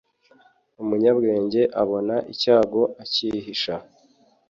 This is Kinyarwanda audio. umunyabwenge abona icyago akihisha